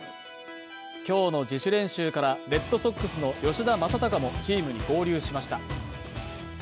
今日の自主練習からレッドソックスの吉田正尚もチームに合流しました。